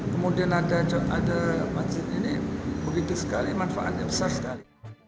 kemudian ada masjid ini begitu sekali manfaatnya besar sekali